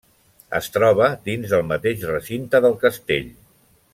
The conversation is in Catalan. Es troba dins del mateix recinte del castell.